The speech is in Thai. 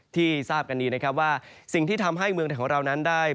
ทราบกันนี้นะครับว่าสิ่งที่ทำให้เมืองไทยของเรานั้นได้